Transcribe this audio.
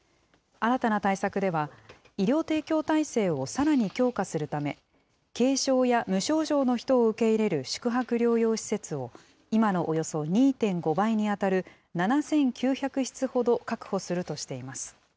新たな対策では、医療提供体制をさらに強化するため、軽症や無症状の人を受け入れる宿泊療養施設を、今のおよそ２．５倍に当たる７９００室ほど確保するとしています。